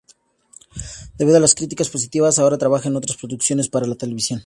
Debido a las críticas positivas ahora trabaja en otras producciones para televisión.